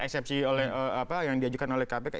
eksepsi yang diajukan oleh kpk